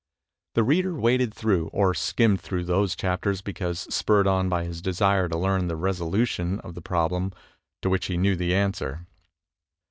The reader waded through, or skimmed through those chapters, because spurred on by his desire to learn the re solution of the prob lem, to which he knew the answer.